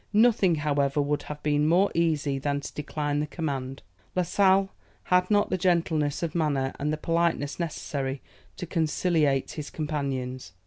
Nothing however would have been more easy than to decline the command. La Sale had not the gentleness of manner and the politeness necessary to conciliate his companions.